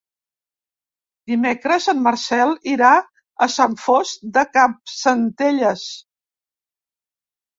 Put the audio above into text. Dimecres en Marcel irà a Sant Fost de Campsentelles.